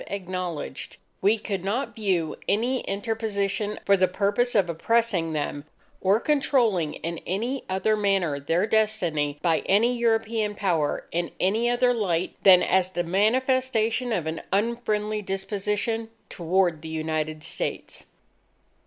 acknowledged, we could not view any interposition for the purpose of oppressing them, or controlling in any other manner their destiny by any European Power, in any other light than as the manifestation of an unfriendly disposition toward the United States.